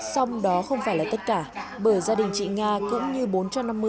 xong đó không phải là tất cả bởi gia đình chị nga cũng như bốn trăm năm mươi hộ dân ở đây